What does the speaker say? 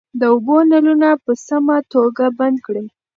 د اوبو نلونه په سمه توګه بند کړئ.